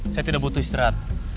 saya tidak butuh istirahat